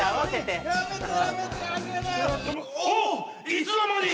いつの間に！